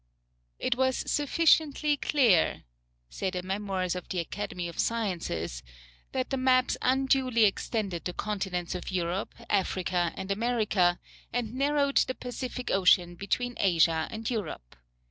"It was sufficiently clear," say the Memoirs of the Academy of Sciences, that the maps unduly extended the Continents of Europe, Africa, and America, and narrowed the Pacific Ocean between Asia and Europe.